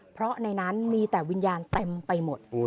เพราะในนั้นมีแต่วิญญาณเต็มไปหมด